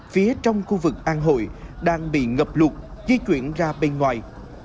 phía trong khu vực an hội đang bị ngập lụt di chuyển ra bên ngoài